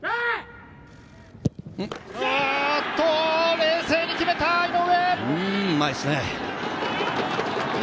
冷静に決めた、井上！